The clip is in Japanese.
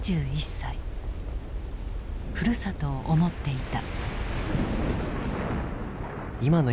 ふるさとを思っていた。